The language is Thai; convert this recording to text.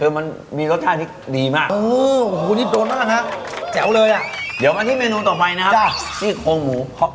เนี่ยมันมีรสชาติดีมากโอ้โหโอ้โหโอ้โหโอ้โหโอ้โหโอ้โหโอ้โห